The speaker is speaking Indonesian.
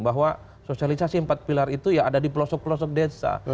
bahwa sosialisasi empat pilar itu ya ada di pelosok pelosok desa